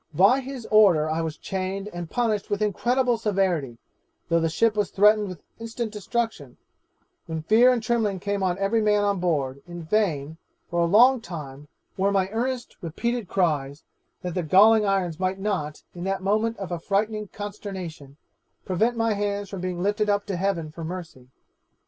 'By his order I was chained and punished with incredible severity, though the ship was threatened with instant destruction: when fear and trembling came on every man on board, in vain, for a long time, were my earnest repeated cries, that the galling irons might not, in that moment of affrighting consternation, prevent my hands from being lifted up to heaven for mercy.